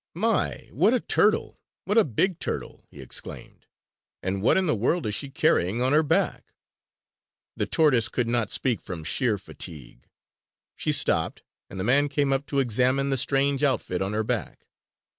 "My, what a turtle! What a big turtle!" he exclaimed. "And what in the world is she carrying on her back?" The tortoise could not speak from sheer fatigue. She stopped, and the man came up to examine the strange outfit on her back.